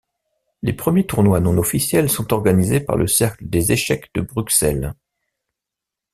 Les premiers tournois non officiels sont organisés par le Cercle des échecs de Bruxelles.